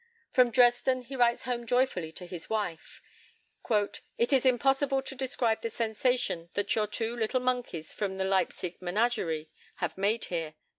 From Dresden he writes home joyfully to his wife: "It is impossible to describe the sensation that your two little monkeys from the Leipsic menagerie have made here."